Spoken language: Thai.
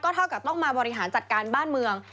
เท่ากับต้องมาบริหารจัดการบ้านเมือง